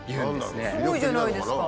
すごいじゃないですか。